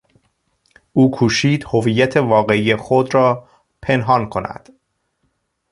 او کوشید هویت واقعی خود را پنهان کند.